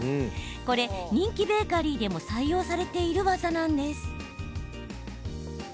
これ、人気ベーカリーでも採用されている技なんです。